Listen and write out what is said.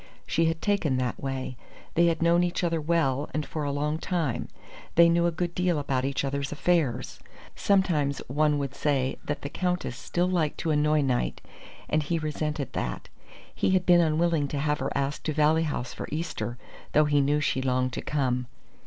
She had taken that way. They had known each other well and for a long time. They knew a good deal about each other's affairs. Sometimes one would say that the Countess still liked to annoy Knight, and he resented that. He had been unwilling to have her asked to Valley House for Easter, though he knew she longed to come.